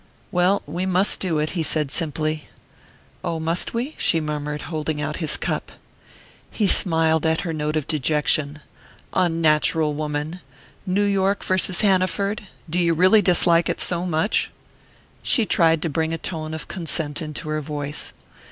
"Well, we must do it," he said simply. "Oh, must we?" she murmured, holding out his cup. He smiled at her note of dejection. "Unnatural woman! New York versus Hanaford do you really dislike it so much?" She tried to bring a tone of consent into her voice.